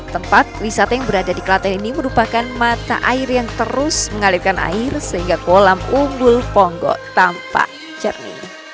tempat wisata yang berada di klaten ini merupakan mata air yang terus mengalirkan air sehingga kolam umbul ponggo tampak jernih